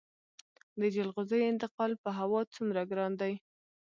د جلغوزیو انتقال په هوا څومره ګران دی؟